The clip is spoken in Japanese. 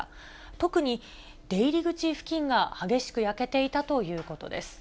特に、出入り口付近が激しく焼けていたということです。